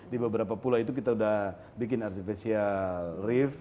di beberapa pulau itu kita sudah bikin artificial rift